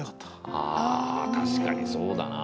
ああ確かにそうだな。